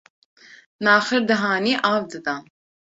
naxir dihanî av didan